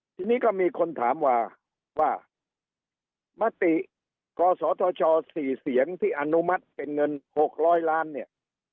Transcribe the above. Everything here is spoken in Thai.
ทีนี้ก็มีคนถามว่าว่ามติกศธช๔เสียงที่อนุมัติเป็นเงิน๖๐๐ล้านเนี่ย